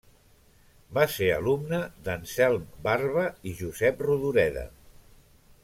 Va ser alumne d'Anselm Barba i Josep Rodoreda.